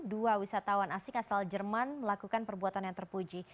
dua wisatawan asing asal jerman melakukan perbuatan yang terpuji